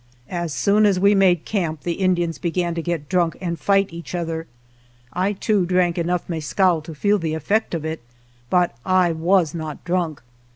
As soon as we made camp the Indians began to get drunk and fight each other. I, too, drank enough mescal to feel the effect of it, but I was not drunk.